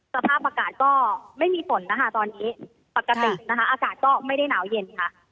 สภาพอากาศก็ไม่มีฝนนะคะตอนนี้ปกตินะคะอากาศก็ไม่ได้หนาวเย็นค่ะ